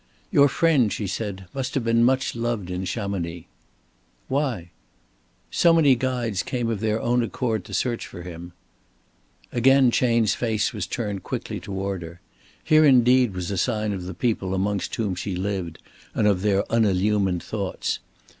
"Your friend," she said, "must have been much loved in Chamonix." "Why?" "So many guides came of their own accord to search for him." Again Chayne's face was turned quickly toward her. Here indeed was a sign of the people amongst whom she lived, and of their unillumined thoughts.